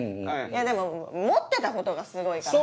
いやでも持ってたことがすごいから。